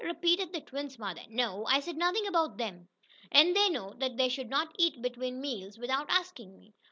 repeated the twins' mother. "No, I said nothing about them. And they know they should not eat between meals without asking me.